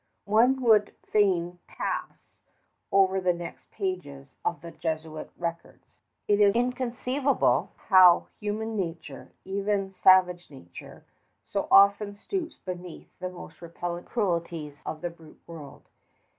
One would fain pass over the next pages of the Jesuit records. It is inconceivable how human nature, even savage nature, so often stoops beneath the most repellent cruelties of the brute world.